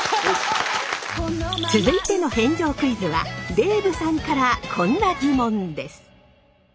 続いての返上クイズはデーブさんからこんなギモンです！